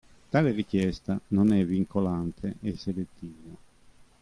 Tale richiesta non è vincolante e selettiva.